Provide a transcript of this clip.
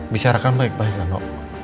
bicarakan baik baik no